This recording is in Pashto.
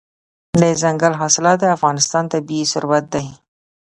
دځنګل حاصلات د افغانستان طبعي ثروت دی.